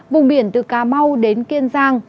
vùng biển từ cà mau đến kiên giang